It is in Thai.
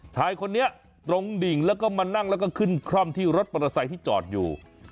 ชายคนนี้ตรงดิ่งแล้วก็มานั่งแล้วก็ขึ้นคร่อมที่รถมอเตอร์ไซค์ที่จอดอยู่